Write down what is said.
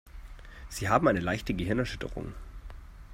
Sie haben eine leichte Gehirnerschütterung.